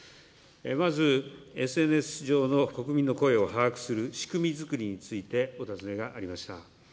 まずＳＮＳ上の国民の声を把握する仕組みづくりについてお尋ねがありました。